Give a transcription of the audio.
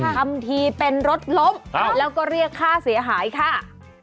ทำทีเป็นรถล้มแล้วก็เรียกค่าเสียหายค่ะ